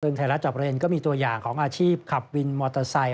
ซึ่งไทยรัฐจอบประเด็นก็มีตัวอย่างของอาชีพขับวินมอเตอร์ไซค